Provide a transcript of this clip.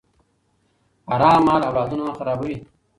حرام مال اولادونه خرابوي.